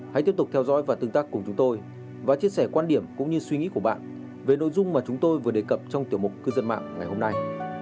hãy tiếp tục theo dõi và tương tác cùng chúng tôi và chia sẻ quan điểm cũng như suy nghĩ của bạn về nội dung mà chúng tôi vừa đề cập trong tiểu mục cư dân mạng ngày hôm nay